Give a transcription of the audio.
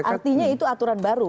artinya itu aturan baru